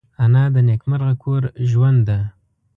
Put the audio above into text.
انا د نیکمرغه کور ژوند ده